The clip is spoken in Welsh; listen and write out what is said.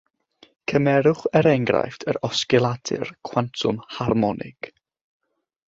Cymerwch er enghraifft yr osgiladur cwantwm harmonig.